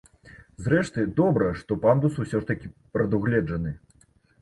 Зрэшты, добра, што пандус усё ж прадугледжаны.